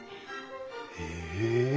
へえ！